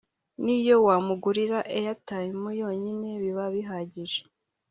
N’iyo wamugurira airtime yonyine biba bihagije